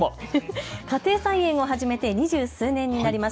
家庭菜園を始めて二十数年になります。